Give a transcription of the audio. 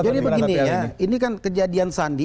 jadi begini ya ini kan kejadian sandi